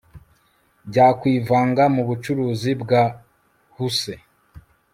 Bya kwivanga mubucuruzi bwa Huse